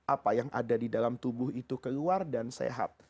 apa yang ada di dalam tubuh itu keluar dan sehat